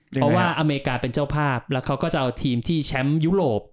เพราะว่าอเมริกาเป็นเจ้าภาพแล้วเขาก็จะเอาทีมที่แชมป์ยุโรป